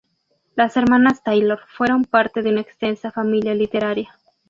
Las hermanas Taylor fueron parte de una extensa familia literaria.